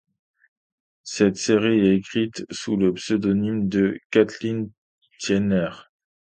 Cette série est écrite sous le pseudonyme de Kathleen Tierney.